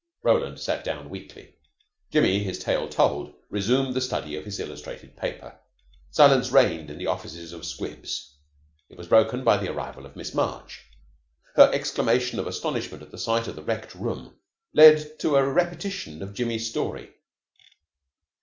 Roland sat down weakly. Jimmy, his tale told, resumed the study of his illustrated paper. Silence reigned in the offices of 'Squibs.' It was broken by the arrival of Miss March. Her exclamation of astonishment at the sight of the wrecked room led to a repetition of Jimmy's story.